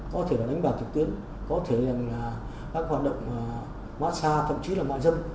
có thể là đánh bạc thực tiễn có thể là các hoạt động massage thậm chí là mạng dâm